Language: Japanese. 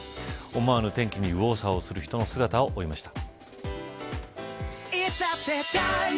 思わぬ天気に右往左往する人の姿を追いました。